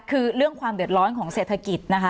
คือเรื่องความเดือดร้อนของเศรษฐกิจนะคะ